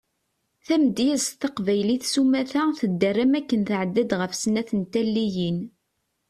Tamedyazt taqbaylit sumata tedder am waken tɛedda-d ɣef snat n taliyin.